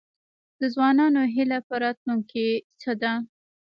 د ځوانانو هیله په راتلونکي څه ده؟